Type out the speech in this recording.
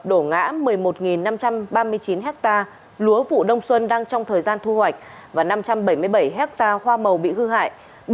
đổ ngã một mươi một năm trăm ba mươi chín hectare lúa vụ đông xuân đang trong thời gian thu hoạch và năm trăm bảy mươi bảy hectare hoa màu bị hư hại